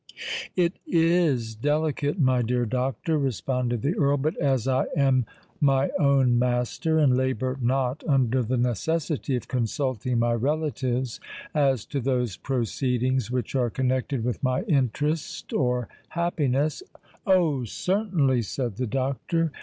"It is delicate, my dear doctor," responded the Earl. "But as I am my own master, and labour not under the necessity of consulting my relatives as to those proceedings which are connected with my interest or happiness——" "Oh! certainly," said the doctor.